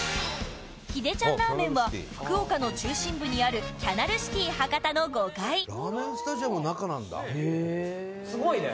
秀ちゃんラーメンは福岡の中心部にあるキャナルシティ博多の５階すごいね。